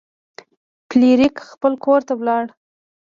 فلیریک خپل کور ته لاړ.